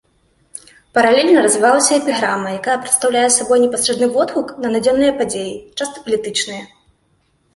Паралельна развівалася эпіграма, якая прадстаўляе сабой непасрэдны водгук на надзённыя падзеі, часта палітычныя.